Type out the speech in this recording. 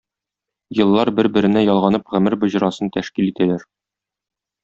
Еллар бер-беренә ялганып гомер боҗрасын тәшкил итәләр.